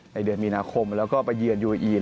ในเดือนมีนาคมแล้วก็ไปเยือนยูเออีน